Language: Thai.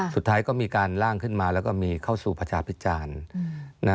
สุดท้ายก็มีการล่างขึ้นมาแล้วก็มีเข้าสู่ประชาพิจารณ์